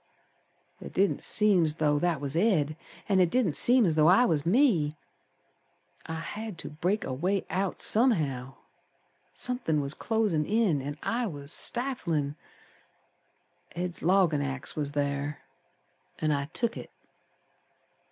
It didn't seem 's though that was Ed, An' it didn't seem as though I was me. I had to break a way out somehow, Somethin' was closin' in An' I was stiflin'. Ed's loggin' axe was ther, An' I took it.